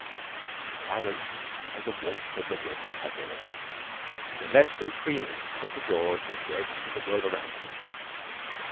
The silence and the warmth of the room had their effect. In less than three minutes Uncle George was dead to the world around him.